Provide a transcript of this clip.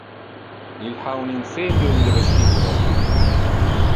Il ha un incendio in le vestibulo.